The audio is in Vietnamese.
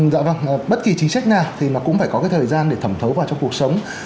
dạ vâng bất kỳ chính sách nào thì nó cũng phải có cái thời gian để thẩm thấu vào trong cuộc sống